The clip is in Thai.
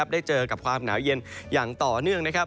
ได้เจอกับความหนาวเย็นอย่างต่อเนื่องนะครับ